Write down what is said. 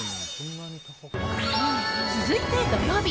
続いて土曜日。